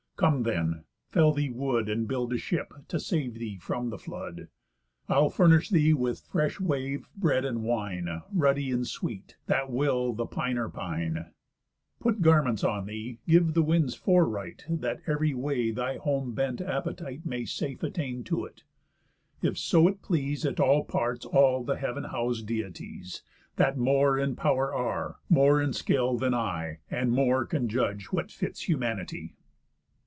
Come then, fell thee wood, And build a ship, to save thee from the flood. I'll furnish thee with fresh wave, bread, and wine Ruddy and sweet, that will the piner pine, Put garments on thee, give the winds foreright, That ev'ry way thy home bent appetite May safe attain to it; if so it please At all parts all the heav'n hous'd Deities, That more in pow'r are, more in skill, than I, And more can judge what fits humanity."